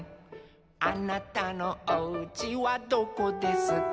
「あなたのおうちはどこですか」